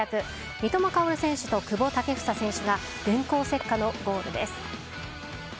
三笘薫選手と久保建英選手が電光石火のゴールです。